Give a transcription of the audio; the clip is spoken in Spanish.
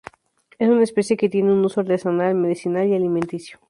Es una especie que tiene un uso artesanal, medicinal y alimenticio.